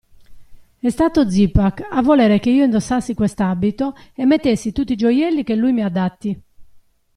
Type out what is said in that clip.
È stato Zipak a volere che io indossassi quest'abito e mettessi tutti i gioielli che lui mi ha dati.